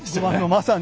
まさに。